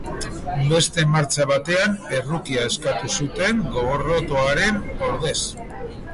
Beste martxa batean, errukia eskatu zuten gorrotoaren ordez.